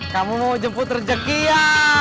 kamu jemput rejeki ya